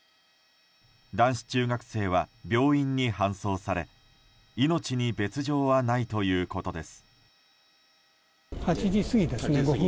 男子中学生は病院に搬送され命に別条はないということです。